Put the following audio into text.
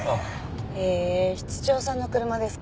へえ室長さんの車ですか。